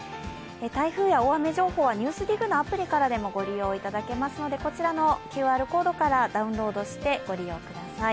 台風や大雨情報は「ＮＥＷＳＤＩＧ」のアプリからでもご利用いただけますので、こちらのＱＲコードからダウンロードしてご利用ください。